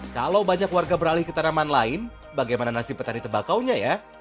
kalau banyak warga beralih ke tanaman lain bagaimana nasib petani tembakaunya ya